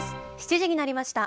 ７時になりました。